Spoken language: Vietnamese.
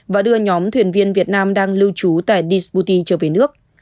và đưa nhóm thuyền viên việt nam đang lưu trú tại duti trở về nước